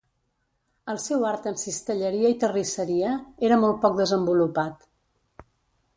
El seu art en cistelleria i terrisseria era molt poc desenvolupat.